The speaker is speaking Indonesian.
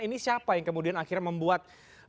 ini siapa yang kemudian akhirnya membuat